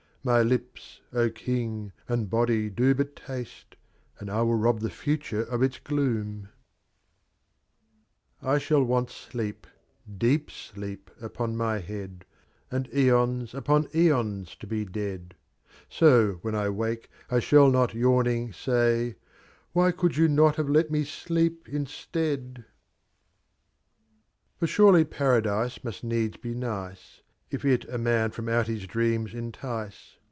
My Lips, King, and Bady do hut Taste, And I will rob the Future of Its Gloom. xm. I shall want Sleeps deep Steep, upon my Head, And Aeons upon Aeons to be dead, So, wften [ wake, I shnJ] not t yawning, say J '‚ñÝ Why could not you have let Me sleep, instead I " For surely Parsciise must needs be ni¬´ h If It a Man from out his Dreams entice.